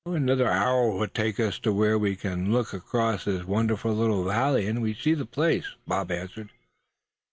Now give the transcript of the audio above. "Another hour will take us to where we can look across the wonderful little valley and see the place," Bob answered.